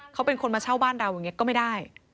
เขาเป็นคนมาเช่าบ้านเราอย่างนี้ก็ไม่ได้